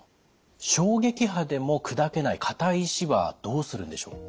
衝撃波でも砕けない硬い石はどうするんでしょう？